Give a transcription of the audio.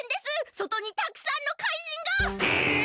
そとにたくさんの怪人が！え！